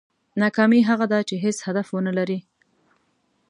ناکامي هغه ده چې هېڅ هدف ونه لرې.